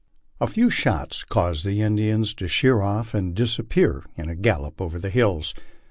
A few shots caused the Indians to sheer off and disappear in a gallop over the hills.